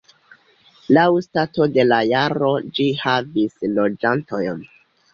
Laŭ stato de la jaro ĝi havis loĝantojn.